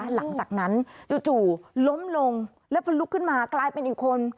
หลังจากนั้นจู่ล้มลงแล้วพอลุกขึ้นมากลายเป็นอีกคน